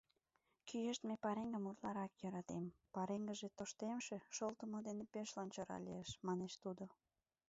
— Кӱэштме пареҥгым утларак йӧратем, пареҥгыже тоштемше, шолтымо дене пеш лончыра лиеш, — манеш тудо.